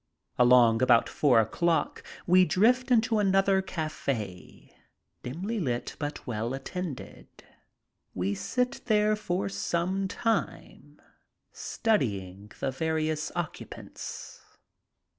Along about four o'clock we drift into another cafe, dimly lit but well attended. We sit there for some time, studying the various occupants.